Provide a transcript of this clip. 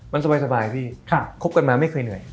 มันสบายพี่คบกันมาไม่เคยเหนื่อย